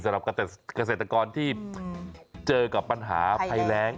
สำหรับเกษตรกรที่เจอกับปัญหาภัยแรง